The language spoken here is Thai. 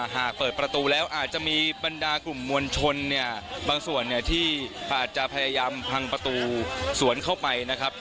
หากเปิดประตูแล้วอาจจะมีบรรดากลุ่มมวลชนเนี่ยบางส่วนเนี่ยที่อาจจะพยายามพังประตูสวนเข้าไปนะครับ